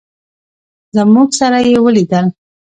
زموږ سره یې ولیدل.